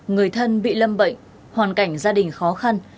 người thân bị lâm bệnh hoàn cảnh gia đình khó khăn